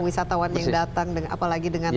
wisatawan yang datang dan apalagi dengan